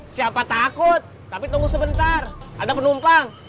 siapa takut tapi tunggu sebentar ada penumpang